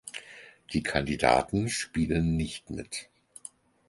Die Kandidaten spielen nicht mit.